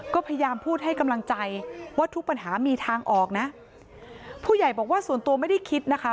ก็พยายามพูดให้กำลังใจว่าทุกปัญหามีทางออกนะผู้ใหญ่บอกว่าส่วนตัวไม่ได้คิดนะคะ